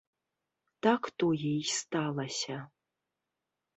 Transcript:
Так тое і сталася.